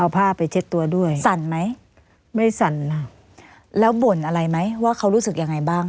ผ้าไปเช็ดตัวด้วยสั่นไหมไม่สั่นค่ะแล้วบ่นอะไรไหมว่าเขารู้สึกยังไงบ้าง